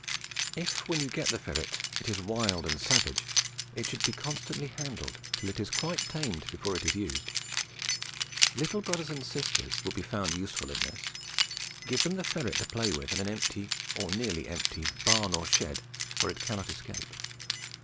If when you get the ferret it is wild and savage, it should be constantly handled till it is quite tamed before it is used. Little brothers and sisters will be found useful at this. Give them the ferret to play with in an empty or nearly empty barn or shed where it cannot escape.